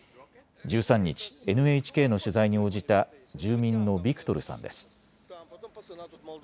１３日、ＮＨＫの取材に応じた住民のビクトルさんです。